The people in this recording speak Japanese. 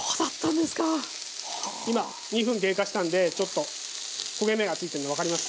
今２分経過したんでちょっと焦げ目がついてるの分かります？